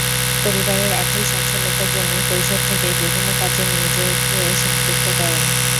পরিবারের আর্থিক সচ্ছলতার জন্য কৈশোর থেকেই বিভিন্ন কাজে নিজেকে সম্পৃক্ত করেন।